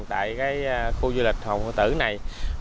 tại khu du lịch hòn phụ tử này